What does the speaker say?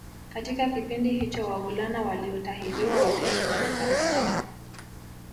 Katika kipindi hicho wavulana waliotahiriwa wataishi katika Manyatta